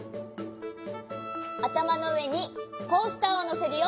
あたまのうえにコースターをのせるよ。